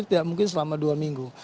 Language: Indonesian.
tidak mungkin selama dua minggu